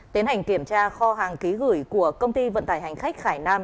tiến hành kiểm tra kho hàng ký gửi của công ty vận tải hành khách khải nam